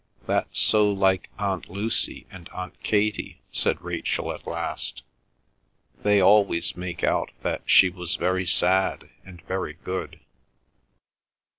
"That's so like Aunt Lucy and Aunt Katie," said Rachel at last. "They always make out that she was very sad and very good."